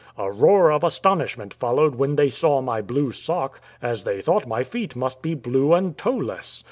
A roar of astonishment followed when they saw my blue sock, as they thought my feet must be blue and toeless.